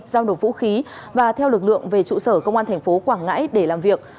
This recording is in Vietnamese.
giao đồ vũ khí và theo lực lượng về trụ sở công an tp quảng ngãi để làm việc